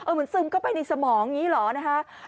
เหมือนซึมเข้าไปในสมองนี้เลยนะฮะ